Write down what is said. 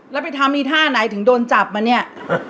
แล้วไปทำอีท่าไหนถึงโดนจับมาเนี่ย